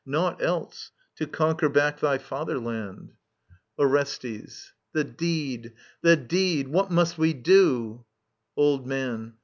Naught else, to conquer back thy fetherland. Orestes. The deed, the deed I What must we do i Old Man.